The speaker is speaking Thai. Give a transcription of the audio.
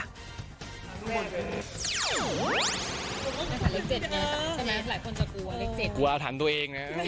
กลัวอาถรรพ์ตัวเองนะครับ